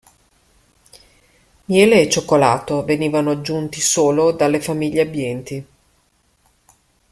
Miele e cioccolato venivano aggiunti solo dalle famiglie abbienti.